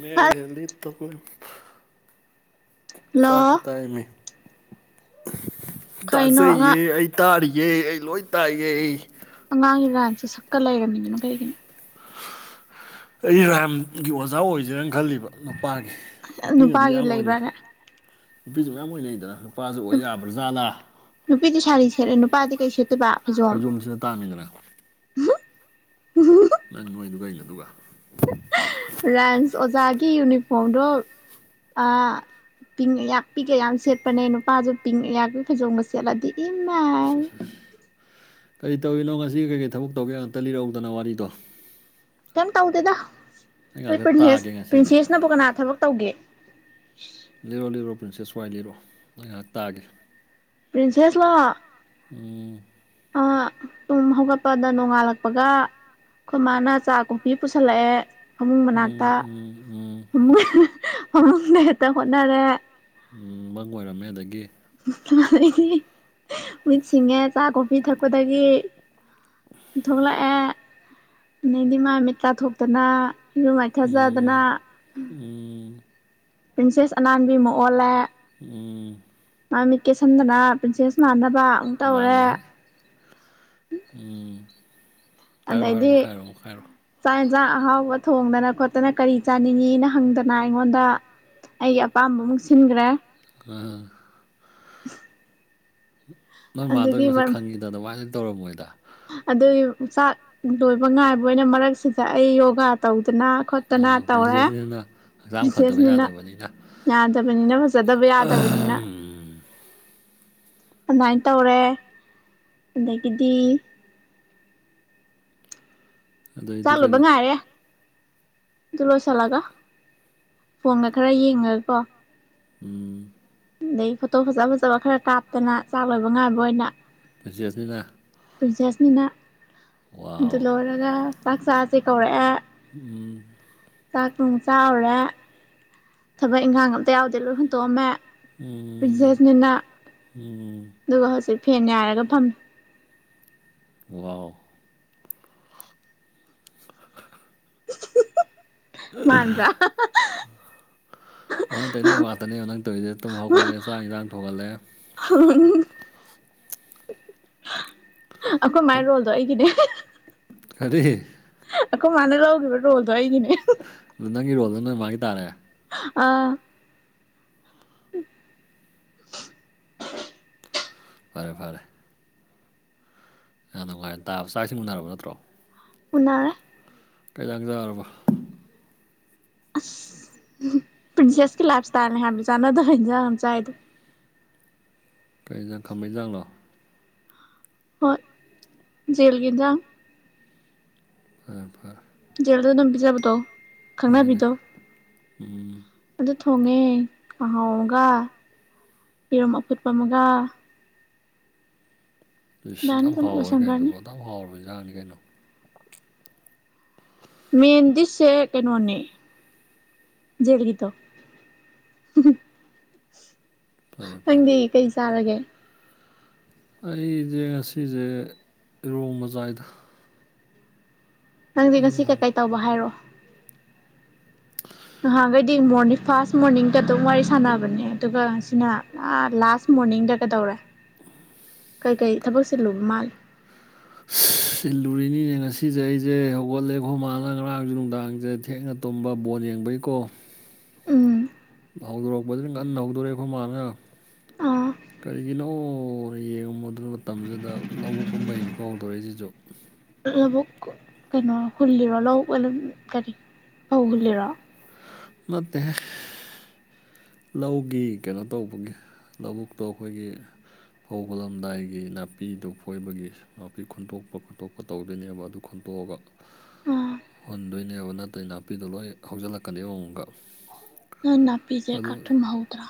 Mera ꯍꯦꯗꯤ ꯇꯛꯂ ꯇꯈ hello ꯇꯥꯏꯃꯦ ꯀꯩꯅꯣ ꯆꯥꯖꯩꯌꯦ ꯑꯉꯥꯡ ꯑꯩ ꯇꯥꯔꯤꯌꯦ ꯑꯩ ꯂꯣꯏ ꯇꯥꯏꯌꯦ ꯑꯩ ꯑꯉꯥꯡꯒꯤ ꯔꯥꯡꯁꯦ ꯁꯛꯀ ꯂꯩꯔꯝꯃꯤꯗꯅꯣ ꯀꯩꯒꯤꯅꯣ ꯑꯩ ꯔꯥꯝꯒꯤ ꯑꯣꯖꯥ ꯑꯣꯏꯖꯦꯔꯅ ꯈꯜꯂꯤꯕ ꯅꯨꯄꯥꯒꯤ ꯅꯨꯄꯤꯅꯗꯤ ꯅꯨꯄꯥꯒꯤ ꯌꯥꯝ ꯑꯣꯏꯅꯩ ꯂꯩꯕ꯭ꯔꯥꯅꯦ ꯅꯨꯄꯤꯁꯨ ꯃꯌꯥꯝ ꯑꯣꯏ ꯂꯩꯩꯗꯅ ꯅꯨꯄꯥꯁꯨ ꯑꯣꯏ ꯌꯥꯕ꯭ꯔꯥꯖꯥꯠꯂꯥ ꯅꯨꯄꯤ ꯗꯤ ꯁꯥꯔꯤ ꯁꯦꯠꯂꯦ ꯅꯨꯄꯥꯗꯤ ꯀꯩ ꯐꯩꯖꯣꯝ ꯁꯦꯠꯄ ꯇꯥꯃꯅꯤꯗꯅ ꯅꯪ ꯅꯣꯏꯗꯨꯒꯩꯅ ꯑꯗꯨꯒ ꯔꯥꯟꯁ ꯑꯣꯖꯥꯒꯤ ꯌꯨꯅꯤꯐꯣꯔꯝꯗꯣ ꯑꯥ ꯄꯤꯛ ꯑꯌꯥꯛꯄꯤꯒ ꯌꯥꯝ ꯁꯦꯠꯄꯅꯦ ꯅꯨꯄꯥꯁꯨ ꯄꯤꯛ ꯑꯌꯥꯛꯄꯤ ꯐꯩꯖꯣꯝꯒ ꯁꯦꯠꯂꯗꯤ ꯏꯃꯦ ꯀꯔꯤ ꯇꯧꯔꯤꯅꯣ ꯉꯁꯤ ꯀꯩꯀꯩ ꯊꯕꯛ ꯇꯧꯒꯦ ꯑꯝꯇ ꯂꯤꯔꯛꯎꯗꯅ ꯋꯥꯔꯤꯗꯣ ꯀꯩꯝ ꯇꯧꯗꯦꯗ ꯑꯩ ꯉꯥꯛꯇ ꯄ꯭ꯔꯤꯟꯁꯦꯁ ꯇꯥꯒꯦ ꯉꯁꯤꯗꯤ ꯄ꯭ꯔꯤꯟꯁꯦꯁꯅꯕꯨ ꯀꯅꯥ ꯊꯕꯛ ꯇꯧꯒꯦ ꯂꯤꯔꯣ ꯂꯤꯔꯣ ꯄ꯭ꯔꯤꯟꯁꯦꯁ ꯋꯥꯏ ꯂꯤꯔꯣ ꯑꯩ ꯉꯥꯏꯍꯥꯛ ꯇꯥꯒꯦ ꯄꯔꯤꯤꯟꯁꯦꯁꯂ ꯎꯝ ꯑꯥ ꯇꯨꯝ ꯍꯧꯒꯠꯄꯗ ꯅꯣꯡꯉꯥꯜꯂꯛꯄꯒ ꯑꯈꯣꯢ ꯃꯥꯅ ꯆꯥ ꯀꯣꯐꯤ ꯄꯨꯁꯜꯂꯛꯑꯦ ꯑꯃꯃꯨꯡ ꯃꯅꯥꯛꯇ ꯎꯝ ꯎꯝ ꯎꯝ ꯑꯃꯃꯨꯡꯅ ꯍꯦꯛꯇ ꯍꯣꯠꯅꯔꯦ ꯎꯝ ꯃꯪ ꯑꯣꯏꯔꯝꯃꯦ ꯑꯗꯒꯤ ꯃꯤꯠ ꯁꯤꯡꯉꯦꯠ ꯆꯥ ꯀꯣꯐꯤ ꯊꯛꯄꯗꯒꯤ ꯊꯣꯛꯂꯛꯑꯦ ꯅꯗꯤꯃꯃꯤꯠ ꯇꯥ ꯊꯣꯛꯣꯛꯇꯅ ꯎꯝ ꯎꯝ ꯄ꯭ꯔꯤꯟꯁꯦꯁ ꯑꯅꯥꯟꯕꯤ ꯑꯃ ꯑꯣꯜꯂꯦ ꯎꯝ ꯃꯃꯤꯠ ꯀꯦꯁꯟꯗꯅ ꯄ꯭ꯔꯤꯟꯁꯦꯁ ꯃꯥꯟꯅꯕ ꯑꯃꯨꯛ ꯇꯧꯔꯦ ꯃꯥꯜꯂꯦꯍꯦ ꯎꯝ ꯍꯥꯏꯔꯣ ꯍꯥꯏꯔꯣ ꯑꯗꯗꯤ ꯃꯈꯥ ꯍꯥꯏꯔꯣ ꯃꯈꯥ ꯍꯥꯏꯔꯣ ꯆꯥꯛ ꯌꯦꯟꯁꯥꯡ ꯑꯍꯥꯎꯕ ꯊꯣꯡꯗꯅ ꯈꯣꯠꯇꯅ ꯀꯔꯤ ꯆꯥꯅꯤꯡꯉꯤꯅ ꯍꯪꯗꯅ ꯑꯩꯉꯣꯟꯗ ꯑꯩꯒꯤ ꯑꯄꯥꯝꯕ ꯑꯃꯨꯛ ꯁꯤꯟꯈ꯭ꯔꯦ ꯎꯝ ꯅꯣꯏ ꯑꯗꯨꯒꯤ ꯃꯥꯥꯟꯗꯣꯏꯩ ꯃꯁꯛ ꯈꯪꯉꯤꯗꯅ ꯑꯗꯨꯃꯥꯏꯅ ꯇꯧꯔꯝꯃꯣꯏꯗ ꯑꯗꯨꯒꯤ ꯆꯥꯛ ꯂꯣꯏꯕ ꯉꯥꯏꯕ ꯑꯣꯏꯅ ꯃꯔꯛꯁꯤꯗ ꯑꯩ ꯌꯣꯒꯥ ꯇꯧꯗꯅ ꯈꯣꯠꯇꯅꯥ ꯑꯥ ꯇꯧꯔ ꯄ꯭ꯔꯦꯁꯤꯗꯦꯟꯁꯤꯅ ꯍꯛꯆꯥꯡ ꯐꯗꯕ ꯕꯤꯁꯦꯁꯅꯤꯅ ꯌꯥꯗꯕꯅꯤꯅ ꯌꯥꯗꯕꯅꯤꯅ ꯐꯖꯗꯕ ꯌꯥꯗꯕꯅꯤꯅ ꯑꯗꯨꯃꯥꯏꯅ ꯇꯧꯔꯦ ꯑꯗꯒꯤꯗꯤ ꯑꯗꯩꯗꯤ ꯆꯥꯛꯂꯣꯢꯕ ꯀꯔꯤ ꯉꯥꯏꯔꯦ ꯑꯗꯨ ꯂꯣꯏꯁꯤꯜꯂꯒ ꯐꯣꯟꯒ ꯈꯔ ꯌꯦꯡꯉꯒꯀꯣ ꯎꯝ ꯑꯗꯒꯤ ꯐꯣꯇꯣ ꯐꯖ ꯐꯖꯕ ꯈꯔ ꯀꯥꯞꯇꯅ ꯆꯥꯛ ꯂꯣꯏꯕ ꯉꯥꯏꯕ ꯑꯣꯏꯅ ꯃꯁꯤꯟꯁꯤ ꯑꯁꯤꯅꯤꯅ ꯄ꯭ꯔꯤꯟꯁꯦꯁꯅꯤꯅ ꯋꯥꯎ ꯑꯗꯨ ꯂꯣꯏꯔꯒ ꯆꯥꯛ ꯆꯥꯁꯦ ꯀꯧꯔꯛꯑꯦ ꯎꯝ ꯆꯥꯛꯇꯣ ꯑꯃꯨꯛ ꯆꯥꯎꯔꯦ ꯊꯕꯛ ꯏꯪꯈꯥꯡ ꯑꯝꯇ ꯌꯥꯎꯗꯦ ꯂꯣꯏ ꯍꯨꯟꯇꯣꯛꯑꯝꯃꯦ ꯎꯝ ꯄ꯭ꯔꯤꯁꯦꯁꯅꯤꯅ ꯎꯝ ꯑꯗꯨꯒ ꯍꯧꯖꯤꯛ ꯐꯦꯟ ꯉꯥꯏꯔꯒ ꯐꯝꯃꯤ ꯋꯥꯎ ꯃꯥꯥꯟꯕꯕ꯭ꯔꯥ ꯑ ꯍꯥꯍꯥ ꯑꯣꯟꯅ ꯇꯩꯅꯕ ꯉꯥꯛꯇꯅꯦꯕ ꯅꯪ ꯇꯧꯔꯤꯁꯦ ꯇꯨꯝ ꯍꯧꯒꯠꯂꯦ ꯆꯥꯛ ꯏꯟꯁꯥꯡ ꯊꯣꯡꯍꯜꯂꯦ ꯑꯩꯈꯣꯏ ꯃꯥꯏ ꯔꯣꯜꯗꯣ ꯑꯩꯒꯤꯅꯦ ꯀꯔꯤꯍ ꯑꯈꯣ ꯃꯅꯦ ꯂꯧꯎꯒꯕꯣꯗ ꯑꯩꯒꯤꯅꯦ ꯑꯗ ꯅꯪꯒꯤ ꯔꯣꯜꯗ ꯅꯣꯏ ꯃꯥꯒꯤ ꯇꯥꯔꯦ ꯑ ꯐꯔꯦ ꯐꯔꯦ ꯍꯥꯟ ꯅꯨꯡꯉꯥꯏꯅ ꯇꯥꯕ ꯆꯥꯛ ꯏꯁꯤꯡ ꯎꯅꯔꯕ ꯅꯠꯇ꯭ꯔꯣ ꯎꯟꯅꯔꯦ ꯢꯅꯥꯎꯗꯤꯕꯜ ꯑꯁ ꯄ꯭ꯔꯤꯟꯁꯦꯁꯀꯤ ꯂꯥꯏꯞꯁ ꯇꯅꯦ ꯍꯥꯏꯕꯗ ꯆꯅꯗ ꯢꯟꯖꯥꯡ ꯑꯃ ꯆꯥꯢꯗ ꯀꯩꯖꯪ ꯈꯝꯩ ꯆꯪꯂꯣ ꯍꯣꯏ ꯖꯦꯜꯒꯤ ꯢꯟꯖꯥꯡ ꯐꯔꯦ ꯐꯔ ꯖꯦꯜꯗ ꯑꯗꯨꯝ ꯄꯤꯖꯕ ꯗꯣ ꯍꯣꯏꯅꯦ ꯎ ꯑꯗꯨ ꯊꯣꯡꯉꯦ ꯈꯍꯥꯎ ꯑꯃꯒ ꯌꯦꯔꯨꯝ ꯑꯐꯨꯠꯄ ꯑꯃꯒ ꯄ ꯑꯗꯥꯏꯅ ꯌꯥꯝ ꯑꯗꯨꯝ ꯍꯥꯎꯔꯦ ꯂꯣꯏꯁꯟꯒ꯭ꯔꯅꯤ ꯀꯩꯅꯣꯗꯨꯧꯕ ꯑꯗꯨ ꯌꯥꯝ ꯍꯥꯎꯔꯕ ꯏꯟꯖꯥꯡꯅꯤ ꯀꯩꯅꯣ ꯃꯦꯟ ꯗꯤꯁꯦ ꯀꯩꯅꯣꯅꯦ ꯖꯕꯒꯤ ꯇꯣ ꯐꯔꯦ ꯐꯔꯦ ꯅꯪꯗꯤ ꯀꯩ ꯆꯥꯔꯒꯦ ꯑꯩꯁꯦ ꯉꯁꯤꯁꯦ ꯏꯔꯣꯡ ꯃꯖꯥꯏꯗ ꯅꯪꯗꯤ ꯉꯁꯤ ꯏꯔꯣꯝꯕ ꯀꯩꯀꯩ ꯇꯧꯕ ꯍꯥꯏꯔꯣ ꯅꯍꯥꯟꯈꯩꯗꯤ ꯃꯣꯔꯅꯤꯡ ꯐꯥꯔꯁ ꯃꯣꯔꯅꯤꯡꯒ ꯑꯗꯨꯝ ꯋꯥꯔꯤ ꯁꯥꯟꯅꯕ ꯑꯗꯨꯒꯅ ꯂꯥꯁ ꯃꯅꯤꯡꯗ ꯀꯩꯗꯧꯔꯦ ꯀꯩ ꯀꯩ ꯊꯕꯛꯁꯦ ꯂꯨꯕ ꯃꯥꯜꯂꯤ ꯁꯤꯤꯜꯂꯨꯔꯤꯅꯤꯅꯦ ꯉꯁꯤꯁꯦ ꯑꯩꯁꯦ ꯍꯧꯒꯠꯂꯦ ꯑꯩꯈꯣ ꯃꯥꯜꯅ ꯉꯔꯥꯡꯁꯨ ꯅꯨꯡꯗꯥꯡꯁꯦ ꯊꯦꯡꯅ ꯇꯨꯝꯕ ꯕꯣꯣꯟ ꯌꯦꯡꯕꯩꯀꯣ ꯎꯝ ꯍꯧꯗꯣꯔꯛꯄꯗꯨꯅ ꯉꯟꯅ ꯍꯧꯗꯣꯔꯛꯑꯦ ꯑꯩꯈꯣꯏ ꯃꯥꯅ ꯑꯥ ꯀꯔꯤꯒꯤꯅꯣ ꯑꯣ ꯌꯦꯡꯉꯝꯃꯣ ꯑꯗꯨ ꯃꯇꯝꯁꯤꯗ ꯂꯧꯕꯨꯛꯀꯨꯝꯕꯩꯅꯤꯀꯣ ꯍꯧꯗꯣꯔꯛꯏꯁꯤꯁꯨ ꯂꯧꯕꯛ ꯀꯩꯅꯣ ꯍꯨꯜꯂꯤꯔꯣ ꯂꯧꯕꯛ ꯀꯔꯤ ꯐꯧ ꯍꯨꯜꯂꯤꯔꯣ ꯅꯠꯇꯦ ꯍꯦ ꯂꯧꯒꯤ ꯀꯩꯅꯣ ꯇꯧꯕꯒꯤ ꯂꯧꯕꯨꯛꯇꯣ ꯑꯩꯈꯣꯏꯒꯤ ꯐꯧ ꯍꯨꯜꯂꯝꯗꯥꯢꯒꯤ ꯅꯥꯄꯤꯗꯨ ꯐꯣꯏꯕꯒꯤ ꯅꯥꯄꯤ ꯈꯨꯨꯟꯇꯣꯛꯄ ꯈꯣꯠꯇꯣꯛꯄ ꯇꯧꯗꯣꯏꯅꯦꯕ ꯑꯗꯨ ꯈꯨꯟꯇꯣꯛꯑꯒ ꯑꯥ ꯍꯨꯟꯗꯣꯏꯅꯦꯕ ꯅꯠꯇꯣꯏ ꯅꯥꯄꯤꯗꯣ ꯂꯣꯏ ꯍꯧꯖꯤꯜꯂꯛꯀꯅꯤ ꯃꯑꯣꯡꯒ ꯅꯣꯏ ꯅꯥꯄꯤꯁꯦ ꯀꯥꯊꯨꯝꯍꯧꯗ꯭ꯔꯥ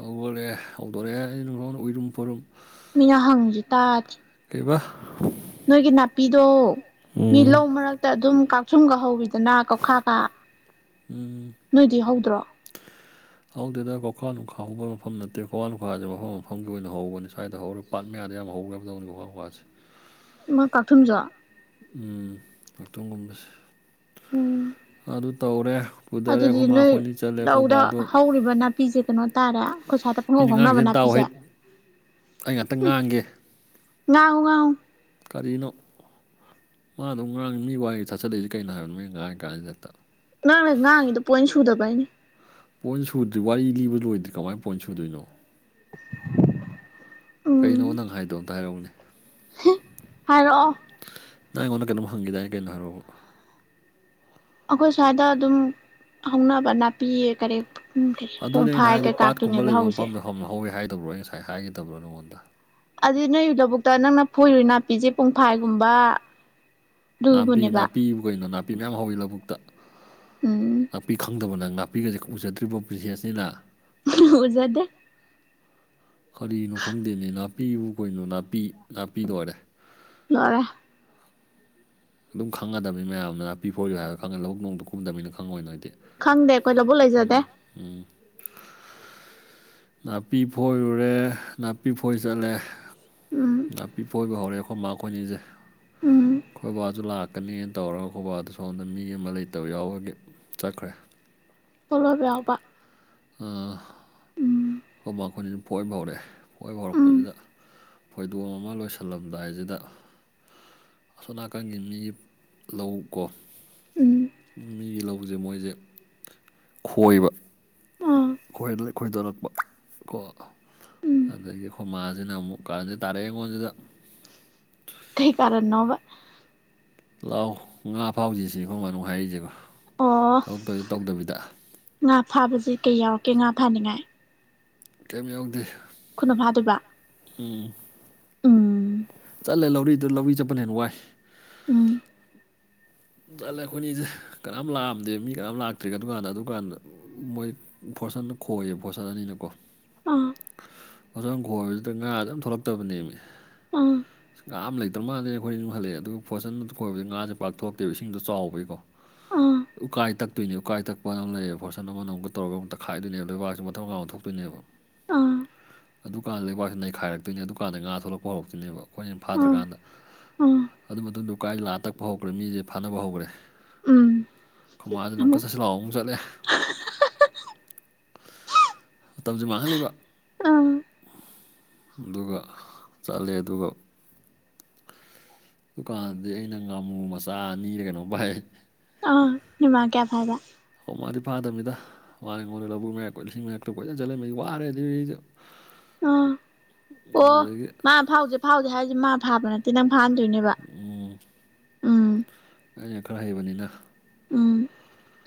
ꯍꯧꯒꯂꯛꯑꯦ ꯍꯧꯗꯣꯔꯛꯑꯦ ꯑꯩ ꯅꯨꯡꯊꯥꯎꯅ ꯎꯏꯔꯨꯝ ꯐꯔꯨꯝ ꯃꯤꯅ ꯍꯪꯈꯤ ꯇꯥꯔꯗꯤꯦ ꯂꯩꯕ ꯅꯣꯏꯒꯤ ꯅꯥꯄꯤꯗꯣ ꯃꯤ ꯂꯧ ꯃꯔꯛꯇ ꯑꯗꯨꯝ ꯀ ꯑꯨꯝꯒ ꯍꯧꯋꯤꯗꯅ ꯀꯧꯈꯥꯀ ꯎꯝ ꯅꯣꯏꯗꯤ ꯍꯧꯗ꯭ꯔꯣ ꯍꯧꯗꯗ ꯀꯣꯈꯥ ꯅꯨꯡꯈꯥ ꯍꯧꯕ ꯃꯐꯝ ꯅꯠꯇꯦ ꯀꯣꯋꯥꯥ ꯅꯨꯡꯈꯥꯁꯦ ꯃꯐꯝ ꯃꯐꯝꯒꯤ ꯑꯣꯏꯅ ꯍꯧꯕꯅꯤ ꯁ꯭ꯋꯥꯏꯗ ꯍꯧꯔꯛꯄ ꯄꯥꯠ ꯃꯌꯥꯗ ꯌꯥꯝ ꯍꯧꯈ꯭ꯔꯕꯗꯧꯅꯤ ꯋꯥ ꯋꯥꯁꯦ ꯑꯃ ꯀꯥꯛꯊꯨꯝꯖꯣ ꯎ ꯉꯥꯛꯇꯣꯡꯒꯨꯝꯕꯁꯦ ꯎꯝ ꯑꯗꯨ ꯇꯧꯔꯦ ꯄꯨꯊꯔꯦ ꯑꯗꯨꯗꯤ ꯈꯣꯢꯃꯥ ꯈꯣꯢꯅꯤ ꯆꯠꯂꯦ ꯈꯣꯢꯕꯥ ꯗꯣ ꯄꯤꯖꯦ ꯀꯩꯅꯣ ꯇꯥꯔꯦ ꯑꯩꯈꯣꯏꯁꯥ ꯃꯤꯅ ꯉꯥꯡꯉꯤꯁꯦ ꯇꯥꯎꯑꯣ ꯍꯦ ꯑꯩ ꯉꯥꯛꯇꯪ ꯉꯥꯡꯒꯦ ꯉꯥꯡꯎ ꯉꯥꯡꯎ ꯀꯔꯤꯅꯣ ꯃꯥꯗꯨꯝ ꯉꯥꯡꯉ ꯃꯤ ꯋꯥ ꯊꯠꯆꯂꯛꯏꯁꯦ ꯀꯩꯅꯣ ꯍꯥꯏꯕꯅꯤ ꯃꯤꯉꯥꯡꯉꯤ ꯀꯥꯟꯁꯤꯗꯛꯇ ꯅꯪꯅ ꯉꯥꯡꯉꯤꯗꯣ ꯄꯣꯏꯟ ꯁꯨꯗꯕ ꯍꯥꯏꯅꯤ ꯄꯣꯏꯟ ꯁꯨꯗ꯭ꯔꯤ ꯋꯥꯔꯤ ꯂꯤꯕ ꯂꯣꯏꯗ꯭ꯔꯤ ꯀꯃꯥꯏꯅ ꯄꯣꯏꯟ ꯁꯨꯗꯣꯏꯅꯣ ꯀꯩꯅꯣ ꯎꯝ ꯅꯪ ꯍꯥꯏꯗꯣꯅꯇ ꯍꯥꯏꯔꯛꯝꯅꯦ ꯍꯥꯏꯔꯛꯑꯣ ꯅꯪ ꯑꯩꯉꯣꯟꯗ ꯀꯩꯅꯣꯝ ꯍꯪꯈꯤꯗꯗꯥꯏ ꯀꯩꯅꯣ ꯍꯥꯏꯕꯣꯕꯨ ꯑꯩꯈꯣꯏ ꯁ꯭ꯋꯥꯏꯗ ꯑꯗꯨꯝ ꯍꯧꯅꯕ ꯅꯥꯄꯤꯌꯦ ꯀꯔꯤ ꯎꯝ ꯀꯩ ꯄꯨꯡꯐꯥꯏ ꯀꯩꯀ ꯀꯥꯇꯣꯏꯅꯦꯕ ꯍꯧꯁꯦ ꯐꯐꯝ ꯂꯧꯍꯧꯋꯤ ꯍꯥꯏꯗꯕ꯭ꯔꯣ ꯑꯩ ꯉꯁꯥꯏ ꯍꯥꯏꯒꯗꯕ꯭ꯔꯣ ꯅꯪꯉꯣꯟꯗ ꯑꯗꯨ ꯅꯣꯏꯒꯤ ꯂꯕꯨꯛꯇ ꯅꯪꯅ ꯐꯣꯏꯔꯨꯏ ꯅꯥꯄꯤꯁꯦ ꯄꯨꯡꯐꯥꯏꯒꯨꯝꯕ ꯅꯥꯄꯤ ꯅꯥꯄꯤꯕꯨ ꯀꯩꯅꯣ ꯅꯥꯄꯤ ꯃꯌꯥꯝ ꯍꯧꯋꯤ ꯂꯧꯕꯨꯛꯇ ꯎꯝ ꯉꯥꯛꯄꯤ ꯈꯪꯗꯕꯅ ꯉꯥꯛꯄꯤꯒꯁꯦ ꯎꯖꯗ꯭ꯔꯤꯕ ꯄ꯭ꯔꯤꯊꯦꯅꯤꯅ ꯑꯣꯖꯗꯦ ꯀꯔꯤꯅꯣ ꯈꯪꯗꯦꯅꯦ ꯅꯥꯄꯤꯕꯨ ꯀꯩꯅꯣ ꯅꯥꯄꯤ ꯅꯥꯄꯤ ꯂ ꯑꯣꯏꯔꯦ ꯑꯔꯦ ꯑꯗꯨꯝ ꯈꯪꯉꯗꯕꯅꯤ ꯃꯌꯥꯝꯅ ꯑꯅꯥꯄꯤ ꯐ ꯑꯣꯏꯏꯌꯨ ꯍꯥꯏꯕꯣ ꯈꯪꯉꯅꯤ ꯂꯧꯕꯨꯛ ꯅꯣꯡꯗ ꯀꯨꯝꯗꯕꯅꯤꯅ ꯈꯪꯉꯣꯏ ꯅꯣꯏꯗꯤ ꯈꯪꯗꯦ ꯑꯩꯈꯣꯏ ꯂꯧꯕꯨꯛ ꯂꯩꯖꯗꯦ ꯎꯝ ꯅꯥꯄꯤ ꯐꯣꯏꯔꯨꯔꯦ ꯅꯥꯄꯤ ꯐꯣꯏ ꯆꯠꯂꯦ ꯎꯝ ꯅꯥꯄꯤꯄꯣꯏꯕ ꯍꯧꯔꯛꯑꯦꯈꯣꯏ ꯃꯥꯈꯣꯏꯅꯤꯁꯦ ꯎꯝ ꯑꯩꯣꯏꯕꯥꯁꯨ ꯂꯥꯛꯀꯅꯦꯅ ꯇꯧꯔꯒ ꯑꯩꯣꯏꯕꯥꯗꯨ ꯁꯣꯝꯗ ꯃꯤ ꯑꯃ ꯂꯩꯇꯕ ꯌꯥꯎꯔꯒꯤ ꯆꯠꯈ꯭ꯔꯦ ꯇꯣꯂ ꯌꯥꯎꯕ ꯑ ꯎꯝ ꯑꯩꯈꯣꯏ ꯃꯈꯥꯡꯣꯏꯁꯤꯅ ꯄꯣꯏꯕ ꯍꯧꯔꯛꯑꯦ ꯄꯣꯏꯕ ꯎꯝ ꯍꯧꯔꯛꯄꯁꯤꯗ ꯐꯣꯏꯗꯣꯝ ꯑꯃ ꯂꯣꯏꯁꯤꯜꯂꯝꯗꯥꯏꯁꯤꯗ ꯑꯁꯣꯅꯥꯀꯟꯒꯤ ꯃꯤ ꯂꯧꯀꯣ ꯎꯝ ꯃꯤꯒꯤ ꯂꯧꯁꯦ ꯃꯣꯏꯁꯦ ꯈꯣꯏꯕ ꯑꯥ ꯈꯣꯏ ꯈꯣꯏꯗꯣꯔꯛꯄ ꯀꯣ ꯎꯝ ꯑꯗꯒꯤ ꯑꯩꯈꯣꯏ ꯃꯥꯥꯁꯤꯅ ꯑꯃꯨꯛ ꯀꯥꯟꯗ ꯇꯥꯔꯛ ꯑꯩꯉꯣꯟꯁꯤꯗ ꯀꯩ ꯀꯥꯔꯟꯅꯣꯕ ꯂ ꯂꯥꯛꯑꯣ ꯉꯥ ꯐꯥꯎꯁꯤꯁꯤ ꯑꯩꯈꯣꯏ ꯉꯥꯅꯨꯡ ꯍꯥꯏꯔꯤꯁꯦꯕ ꯑꯣ ꯊꯕꯛꯇ ꯇꯧꯗꯕꯤꯗ ꯉꯥ ꯐꯥꯕꯕꯁꯤ ꯀꯩ ꯌꯥꯎꯔꯛꯀꯦ ꯉꯥ ꯐꯥꯅꯤꯡꯉꯥꯏ ꯀꯔꯤꯝ ꯌꯥꯎꯗꯦ ꯈꯨꯅ ꯐꯥꯗꯣꯏꯕ ꯎꯝ ꯎꯝ ꯆꯠꯂꯦ ꯂꯧꯔꯤꯗ ꯂꯧꯔꯤ ꯆꯠꯄꯅ ꯍꯦꯅ ꯋꯥꯏ ꯎꯝ ꯆꯠꯂꯦ ꯑꯩꯈꯣꯏꯅꯤꯁꯦ ꯀꯅꯥꯝ ꯂꯥꯛꯑꯝꯗꯦ ꯃꯤ ꯀꯅꯥꯝ ꯂꯥꯛꯇ꯭ꯔꯤꯒꯦ ꯑꯗꯨꯀꯥꯟꯗ ꯑꯗꯨꯀꯥꯟꯗ ꯃꯣꯏ ꯐꯣꯔꯠꯁꯟꯅ ꯈꯣꯏꯌꯦꯕ ꯐꯣꯔꯁꯟ ꯑꯅꯤꯅꯀꯣ ꯑꯥ ꯐꯣꯔꯠꯁꯟꯅ ꯈꯣꯏꯕꯁꯤꯗ ꯉꯥ ꯑꯝ ꯊꯣꯛꯂꯛꯇꯕꯅꯦꯃꯤ ꯑꯥ ꯉꯥ ꯑꯃ ꯂꯩꯇꯕ ꯃꯥꯜꯂꯦ ꯑꯩꯈꯣꯏ ꯍꯜꯂꯛꯑꯦ ꯑꯗꯨꯒ ꯐꯣꯔꯁꯟꯅ ꯈꯣꯏꯕꯁꯤꯗ ꯉꯥꯁꯦ ꯄꯥꯛꯊꯣꯛꯇꯦ꯫ ꯇꯦꯕ ꯏꯁꯤꯡꯗꯣ ꯆꯥꯎꯕꯒꯤꯀꯣ ꯑꯥ ꯎꯀꯥꯏ ꯇꯛꯇꯣꯏꯅꯦ ꯎꯀꯥꯏ ꯇꯛꯄ ꯑꯃ ꯂꯩꯌꯦ ꯐꯣꯔꯁꯟ ꯑꯃꯨꯛ ꯇꯧꯔꯒ ꯑꯃꯨꯛ ꯇꯛꯈꯥꯏꯗꯣꯏꯅꯦꯕ ꯂꯩꯕꯥꯛꯁꯤ ꯃꯊꯛ ꯃꯈꯥ ꯑꯃꯊꯣꯛꯄ ꯑꯗꯨꯅꯦꯕ ꯑꯥ ꯑꯗꯨꯀꯥꯟꯗ ꯂꯩꯕꯥꯛꯁꯤ ꯅꯩꯈꯥꯏꯔꯛꯇꯣꯏꯅꯦ ꯑꯗꯨꯀꯥꯟꯗ ꯉꯥ ꯊꯣꯛꯂꯛꯄ ꯍꯧꯔꯛꯇꯣꯏꯅꯦꯕ ꯑꯩꯈꯣꯏꯅ ꯑꯥ ꯐꯥꯗ꯭ꯔꯀꯥꯟꯗ ꯑꯥ ꯑꯗꯨ ꯃꯇꯨꯡꯗꯨ ꯎꯀꯥꯏꯗꯣ ꯂꯥꯛꯑ ꯇꯛꯄ ꯍꯧꯈ꯭ꯔꯦ ꯃꯤꯁꯦ ꯐꯥꯅꯕ ꯍꯧꯈ꯭ꯔꯦ ꯎꯝ ꯈꯨꯃꯥꯁꯤꯅ ꯑꯃꯨꯛꯀ ꯑꯃꯨꯛ ꯆꯠꯁꯤ ꯂꯥꯛꯑꯣ ꯑꯃꯨꯛ ꯆꯠꯂꯦ ꯃꯇꯝꯁꯤ ꯃꯥꯡꯍꯜꯂꯤꯕ ꯑꯥ ꯑꯗꯨꯒ ꯆꯠꯂꯦ ꯑꯗꯨꯒ ꯗꯨꯀꯥꯟꯗꯤ ꯑꯩꯅ ꯉꯥꯃꯨ ꯃꯆꯥ ꯑꯅꯤꯔ ꯀꯩꯅꯣꯝ ꯐꯥꯏ ꯑ ꯅꯣꯏ ꯃꯥ ꯀꯌꯥ ꯐꯥꯏꯕ ꯑꯣ ꯃꯥꯗꯤ ꯐꯥꯗꯕꯅꯤꯗ ꯍꯋꯥꯉꯣꯟꯗ ꯂꯧꯕꯨꯛ ꯃꯌꯥꯏ ꯀꯣꯏ ꯏꯁꯤꯡ ꯃꯔꯛꯇ ꯀꯣꯏ ꯆꯠꯂꯦꯕ ꯋꯥꯔꯦ ꯑꯗꯨ ꯑꯩꯁꯦ ꯑꯣ ꯑꯣ ꯃꯥ ꯐꯥꯎꯁꯦ ꯐꯥꯎꯁꯦ ꯍꯥꯏꯁꯦ ꯃꯥ ꯐꯥꯕ ꯅꯠꯇꯦ ꯅꯪ ꯐꯥꯍꯟꯗꯣꯏꯅꯦꯕ ꯎꯝ ꯎꯝ ꯑꯩꯅ ꯈꯔ ꯍꯩꯕꯅꯤꯅ ꯎꯝ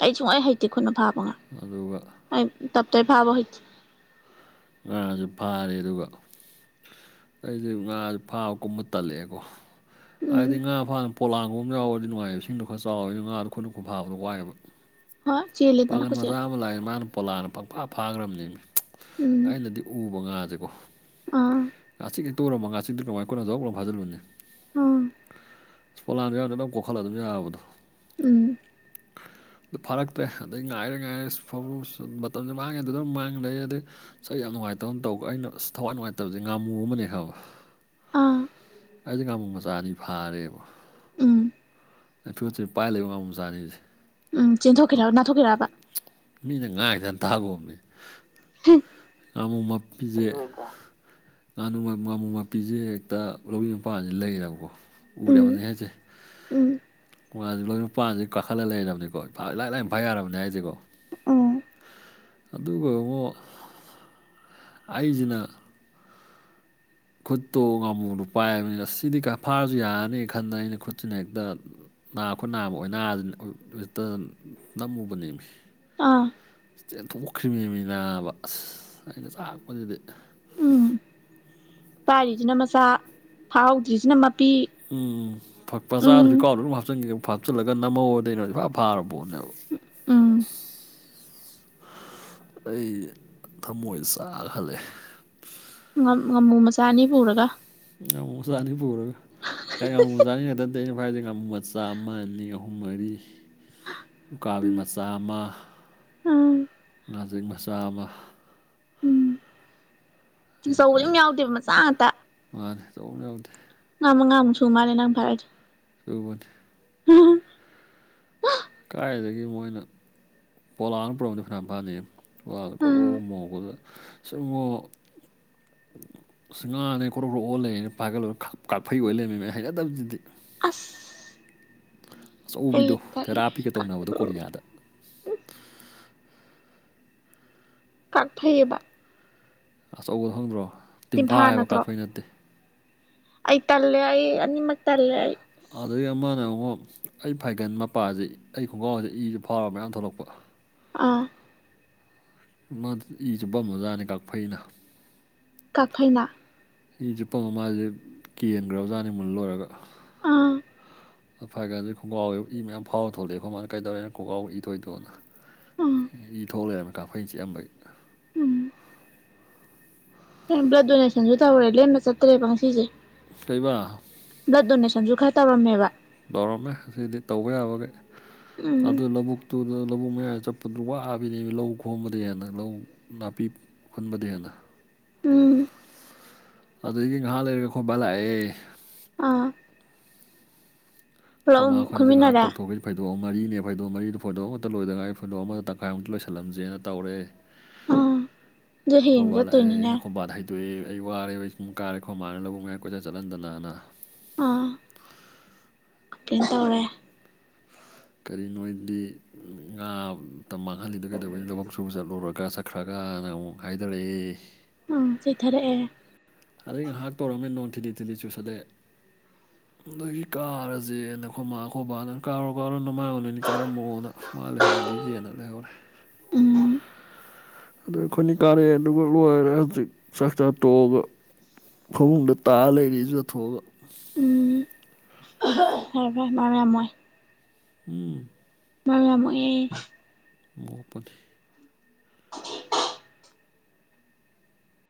ꯑꯩ ꯁꯨꯡ ꯍꯩꯇꯦ ꯈꯨꯠꯅ ꯐꯥꯕ ꯉꯥ ꯑꯗꯨꯒ ꯇꯞꯇꯩ ꯐꯥꯕ ꯐꯧ ꯍꯩꯇꯦ ꯉꯥꯁꯨ ꯐꯥꯔꯦ ꯑꯗꯨꯒ ꯑꯩꯁꯦ ꯉꯥꯁꯦ ꯐꯥꯕ ꯀꯨꯝꯕ ꯇꯜꯂꯛꯑꯦꯀꯣ ꯎꯝ ꯍꯥꯏꯗꯤ ꯉꯥ ꯐꯥꯅ ꯄꯣꯠꯂꯥꯡꯒꯨꯝꯕ ꯌꯥꯎꯔꯗꯤ ꯅꯨꯡꯉꯥꯏꯕꯁꯤꯡꯗꯣ ꯈꯔ ꯆꯥꯎꯋꯦ ꯉꯥꯗꯣ ꯈꯨꯠꯅ ꯈꯨꯠ ꯐꯥꯕꯗꯣ ꯋꯥꯏꯑꯕ ꯍꯣꯏ ꯆꯦ ꯄꯥꯒꯟ ꯃꯆꯥ ꯑꯃ ꯂꯥꯛꯑꯦ ꯃꯥꯅ ꯄꯣꯂꯥꯡꯅ ꯄꯪꯐꯥ ꯐꯥꯈ꯭ꯔꯕꯅꯤ ꯎꯝ ꯑꯩꯅꯗꯤ ꯎꯕ ꯉꯥꯁꯦꯀꯣ ꯑꯥ ꯉꯥꯆꯤꯛ ꯇꯣꯡꯔꯃ ꯉꯥꯆꯤꯛꯇꯨ ꯀꯃꯥꯏꯅ ꯀꯣꯛ ꯐꯥꯖꯤꯜꯂꯨꯅꯤ ꯑꯥ ꯁ ꯄꯣꯂꯥꯟꯗ ꯌꯥꯎꯗ ꯑꯗꯨ ꯀꯣꯛꯠꯂ ꯑꯗꯨꯝ ꯌꯥꯕꯗꯣ ꯎꯝ ꯑꯗꯨ ꯐꯥꯔꯛꯇ꯭ꯔꯦ ꯑꯗꯩ ꯉꯥꯏꯔꯦ ꯉꯥꯏꯔꯦ ꯃꯇꯝꯁꯨ ꯃꯥꯡꯉꯦ ꯑꯗꯨ ꯑꯗꯨꯝ ꯃꯥꯡꯗꯦ ꯑꯗꯩ ꯁ ꯌꯥꯝ ꯅꯨꯡꯉꯥꯏꯇꯕ ꯇꯧꯕ ꯑꯩꯅ ꯑꯁ ꯊꯋꯥꯏ ꯅꯨꯡꯉꯥꯏꯇꯕꯁꯦ ꯉꯥꯃꯨ ꯑꯃꯅꯦ ꯍꯥꯏꯕ ꯑꯥ ꯑꯩꯗꯤ ꯉꯃꯨ ꯃꯆꯥꯗꯤ ꯐꯥꯔꯦꯕ ꯎꯝ ꯑꯩ ꯐꯨꯔꯤꯠꯁꯦ ꯄꯥꯏ ꯂꯩꯕ ꯉꯥꯃꯨ ꯃꯆꯥ ꯑꯥꯅꯤꯁꯦ ꯎꯝ ꯆꯦꯟꯊꯣꯛꯈꯤꯔ ꯅꯥꯟꯊꯣꯛꯈꯤꯔꯑꯕ ꯃꯤꯅ ꯉꯥꯡꯏꯁꯦ ꯍꯥꯟꯅ ꯇꯥꯒꯣꯃꯦ ꯍ ꯉꯥꯃꯨ ꯃꯄꯤꯖꯦ ꯉꯥ ꯉꯥꯃꯨ ꯃꯄꯤꯁꯦ ꯍꯦꯛꯇ ꯂꯧꯔꯤ ꯃꯄꯥꯟꯁꯤꯗ ꯂꯩꯕꯀꯣ ꯎꯝ ꯎꯔꯕꯅꯤ ꯍꯥꯏꯁꯦ ꯎꯝ ꯃꯥꯁꯦ ꯂꯧꯔꯤ ꯃꯄꯥꯟꯁꯤꯗ ꯀꯥꯈꯠꯂꯒ ꯂꯩꯔꯕꯅꯤꯀꯣ ꯍꯣꯏ ꯏꯔꯥꯏ ꯂꯥꯏꯅ ꯐꯥ ꯌꯥꯔꯕꯅꯤ ꯍꯥꯏꯁꯦꯀꯣ ꯎꯝ ꯑꯗꯨꯒꯉꯣ ꯑꯩꯖꯤꯅ ꯈꯨꯠꯇꯣ ꯉꯥꯃꯨꯗꯨꯣ ꯄꯥꯏꯕꯅꯤꯅ ꯑ ꯁꯤꯗꯤ ꯐꯥꯔꯁꯨ ꯌꯥꯔꯅꯤ ꯈꯟꯗ ꯑꯩꯅ ꯈꯨꯠꯁꯤꯅ ꯍꯦꯛꯇ ꯅꯥꯈꯣꯏ ꯅꯥꯕ ꯑꯣꯏꯅ ꯅꯝꯃꯨꯕꯅꯤ ꯑꯥ ꯆꯦꯟꯊꯣꯛꯈ꯭ꯔꯤꯕꯅꯦꯅꯤꯅꯕ ꯑꯁ ꯑꯩꯅ ꯆꯥꯛꯛꯄꯗꯨꯗꯤ ꯎꯝ ꯄꯥꯏꯔꯤꯁꯤꯅ ꯃꯆꯥ ꯊꯥꯍꯧꯗ꯭ꯔꯤꯁꯤꯅ ꯎꯝ ꯐꯄ ꯆꯥꯗꯁꯨꯗꯤ ꯀꯥꯎꯗ ꯑꯗꯨꯝ ꯍꯥꯞꯆꯤꯟꯒꯦ ꯍꯥꯞꯆꯤꯜꯂꯒ ꯅꯝꯃꯧꯑꯣꯗꯩꯅꯣ ꯏ ꯐꯥ ꯐꯥꯔꯕ ꯄꯣꯠꯅꯦꯕ ꯑꯥ ꯑꯩ ꯊꯃꯣꯏꯗ ꯆꯥꯒ ꯍꯜꯂꯛꯑꯦ ꯉꯥꯃꯨ ꯃꯆꯥ ꯑꯅꯤ ꯄꯨꯔꯒ ꯌꯥꯝꯉꯃꯨ ꯆꯥꯅꯤ ꯄꯨꯔꯒ ꯍ ꯉꯉꯨꯖꯥꯅꯤ ꯍꯦꯛꯇ ꯑꯩꯅꯚꯥꯏꯗꯥ ꯃꯆꯥ ꯑꯃ ꯑꯅꯤ ꯑꯍꯨꯝ ꯃꯔꯤ ꯎꯀꯥꯕꯤ ꯃꯆꯥ ꯑꯃ ꯎꯝ ꯉꯥꯖꯛ ꯃꯆꯥ ꯑꯃ ꯇꯨꯆꯧꯕꯝ ꯌꯥꯎꯗꯦꯕ ꯃꯆꯥ ꯉꯥꯛꯇ ꯃꯥꯅ ꯇꯧꯕ ꯌꯥꯎꯗꯦ ꯉꯥ ꯃꯉꯥꯃꯨꯛꯨ ꯃꯥꯜꯂꯦ ꯅꯪ ꯐꯔꯛꯁꯦ ꯇꯗ ꯎꯝ ꯈꯋꯥꯏꯗꯒꯤ ꯃꯣꯏꯅ ꯄꯣꯂꯥꯡꯅ ꯄꯨꯔꯕꯅꯤ ꯐꯅꯥꯌꯥꯝ ꯐꯥꯅꯩ ꯄꯣꯂꯥꯗ ꯀꯣꯠꯂꯣ ꯎꯝ ꯃꯣꯄꯗ ꯁꯉ ꯁꯤ ꯉꯥꯅꯦ ꯀ꯭ꯔꯣꯛ ꯀ꯭ꯔꯣꯛ ꯑꯣꯜꯂꯔꯦꯅꯦ ꯄꯥꯏꯒꯠꯂꯣꯏ ꯀꯥꯐꯩ ꯑꯣꯏ ꯂꯩꯔꯃꯤꯃꯦ ꯍꯩꯅꯗꯕꯗꯨꯗꯤ ꯑꯁ ꯑꯩ ꯑꯆꯧꯕꯤꯗꯣ ꯇꯜꯂꯦ ꯊꯦꯔꯥꯄꯤꯒ ꯇꯧꯅꯕꯗꯣ ꯀꯣꯔꯤꯌꯥꯗ ꯀꯛꯐꯩꯌꯦꯕ ꯑꯆꯧꯕ ꯐꯪꯗ꯭ꯔꯣ ꯇꯤꯝꯐꯥ ꯇꯤꯟꯐꯥ ꯍꯥꯏꯕ ꯅꯠꯇ꯭ꯔꯣ ꯀꯥꯞꯄꯩ ꯅꯠꯇꯦ ꯑꯩ ꯇꯜꯂꯦ ꯑꯩꯅꯤꯃꯒ ꯇꯔꯂꯦꯏ ꯑꯗꯒꯤ ꯑꯃꯅ ꯑꯃꯨꯛ ꯑꯩ ꯐꯥꯏꯒꯟ ꯃꯄꯥꯁꯤ ꯑꯩ ꯈꯣꯡꯒꯥꯎꯁꯤꯗ ꯏꯁꯨ ꯐꯥꯎꯔꯒ ꯃꯌꯥꯝ ꯊꯣꯛꯂꯛꯄ ꯑꯥ ꯃꯥ ꯏ ꯆꯨꯞꯄ ꯑꯣꯖꯥꯅꯤ ꯀꯥꯐꯩꯅ ꯀꯈꯩꯅꯥ ꯑꯩ ꯆꯨꯞꯄ ꯃꯃꯥꯁꯦ ꯀꯦꯟꯈ꯭ꯔ ꯑꯣꯖꯥꯅꯤ ꯃꯨꯟ ꯂꯣꯏꯔꯒ ꯑꯥ ꯐꯔ ꯀꯥꯟꯗꯗꯤ ꯈꯣꯡꯒ꯭ꯔꯥꯎ ꯏ ꯃꯌꯥꯝ ꯐꯥꯎꯔ ꯊꯣꯛꯂꯛꯑꯦ ꯑꯩꯣꯏ ꯃꯥꯅ ꯀꯩꯗꯧꯔꯦ ꯈꯣꯡꯥꯎꯕ ꯏ ꯊꯣꯏꯗꯣꯛꯑꯅ ꯑꯥ ꯏ ꯊꯣꯛꯂꯔꯝꯃꯤ ꯀꯥꯡꯥꯈꯣꯏꯩꯅ ꯆꯤꯛꯑꯝꯕꯩ ꯎꯝ ꯕ꯭ꯂꯗ ꯗꯣꯅꯦꯁꯟꯁꯨ ꯇꯧꯔꯦ ꯂꯦꯝꯅ ꯆꯠꯇ꯭ꯔꯦꯕ ꯉꯁꯤꯁꯦ ꯇꯕ ꯕ꯭ꯂꯗ ꯗꯣꯅꯦꯁꯟꯁꯨ ꯈꯔ ꯇꯧꯔꯝꯃꯦꯕ ꯇꯧꯔꯝꯃꯦ ꯑꯁꯤꯗꯤ ꯇꯧꯕ ꯌꯥꯕꯈꯩ ꯎꯝ ꯑꯗꯨ ꯂꯧꯕꯨꯛ ꯑꯗꯨꯨꯗ ꯂꯧꯕꯨ ꯃꯌꯥ ꯆꯠꯄꯗꯨ ꯋꯥꯕꯅꯦꯕ ꯂꯧ ꯈꯣꯝꯕꯗꯅ ꯂꯧ ꯅꯥꯄꯤ ꯍꯟꯕꯗ ꯍꯅ ꯎꯝ ꯑꯗꯨꯗꯤ ꯉꯥꯏꯍꯥꯛ ꯂꯩꯔꯒ ꯈꯣꯕꯥ ꯂꯥꯛꯑꯦ ꯑꯥ ꯄꯨꯂꯞ ꯑꯃꯨꯛ ꯑꯩꯣꯃꯥꯈꯣꯏꯁꯨ ꯉꯥꯏꯍꯥꯛ ꯈꯨꯠꯃꯤꯟꯅꯔꯦ ꯇꯧꯊꯣꯛꯈꯤꯕ ꯐꯩꯗꯣ ꯃꯔꯤꯅꯦ ꯐꯩꯗꯣ ꯃꯔꯤꯗꯨ ꯐꯣꯗꯣꯛ ꯑꯃꯇ ꯂꯣꯏꯗꯅꯒ ꯑꯩ ꯐꯣꯏꯗꯣ ꯑꯃꯗ ꯇꯪꯈꯥꯏꯃꯨꯇ ꯂꯣꯏꯁꯤꯜꯂꯝꯁꯦꯅ ꯇꯧꯔꯦ ꯑꯥ ꯑꯗꯨ ꯍꯌꯦꯡ ꯆꯠꯇꯣꯏꯅꯤꯅꯦ ꯀꯣꯏꯂꯩꯅ ꯙꯩ ꯇꯨꯦ ꯑꯩ ꯋꯥꯔꯦꯕ ꯑꯩ ꯁꯨꯝ ꯀꯥꯔꯦ ꯈꯣ ꯃꯥꯅ ꯂꯧꯕ ꯉꯥꯏ ꯀꯣꯏꯆꯠ ꯆꯠꯍꯟꯗꯅꯅ ꯑꯥ ꯑ ꯇꯧꯔꯦ ꯀꯔꯤꯅꯣ ꯍꯥꯏꯗꯤ ꯉꯥꯇ ꯃꯥꯡꯍꯜꯂꯤꯗꯣ ꯀꯩꯗꯧꯕꯩꯅꯤ ꯂꯧꯕꯛ ꯆꯨꯕ ꯆꯠꯂꯨꯔꯒ ꯉꯁꯥꯏ ꯈꯔꯒꯅ ꯑꯃꯨꯛ ꯍꯥꯏꯊꯔꯛꯏꯦ ꯑꯥ ꯆ ꯆꯩꯊꯔꯛꯑꯦ ꯑꯗꯩ ꯉꯥꯏꯍꯥꯛ ꯇꯧꯔꯝꯃꯦ ꯅꯣꯡ ꯊꯤꯗꯤ ꯊꯤꯗꯤ ꯆꯨꯁꯂꯦ ꯑꯒꯤ ꯀꯥꯔꯁꯦ ꯅꯈꯣꯏ ꯃꯥ ꯑꯩꯈꯣꯏꯕꯥꯅ ꯀꯥꯔꯣ ꯀꯥꯔꯣ ꯅꯣꯡꯃꯥꯏꯔꯅꯣꯏꯅꯤ ꯀꯥꯔꯝꯃꯛꯛꯑꯣꯅ ꯃꯥ ꯂꯩꯍꯧꯈꯤꯒꯦꯅ ꯂꯩꯍꯧꯔꯦ ꯎꯝ ꯑꯗꯩ ꯑꯩꯅꯤ ꯀꯥꯔꯦ ꯑꯗꯨꯒ ꯂꯣꯏꯔꯦ ꯍꯧꯖꯤꯛ ꯆꯥꯛ ꯆꯥ ꯇꯣꯛꯑꯒ ꯐꯃꯨꯡꯗ ꯇꯥꯔ ꯂꯩꯔꯤ ꯏꯖꯨꯖꯊꯣꯛꯑꯒ ꯎꯝ [unintelligible] ꯐꯔꯦ ꯐꯔꯦ ꯃꯔꯝ ꯌꯥꯝ ꯃꯣꯏ ꯍꯝ ꯃꯔꯝ ꯌꯥꯝ ꯃꫭꯛꯑꯦ ꯃꫭꯛꯄꯅꯦ [inaudible]